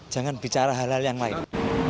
jangan bicara hal hal yang lain